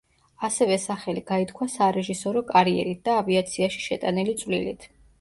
ასევე სახელი გაითქვა სარეჟისორო კარიერით და ავიაციაში შეტანილი წვლილით.